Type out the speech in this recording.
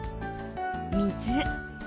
水。